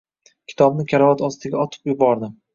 Kitobni karavot ostiga otib yubordi…